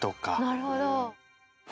なるほど。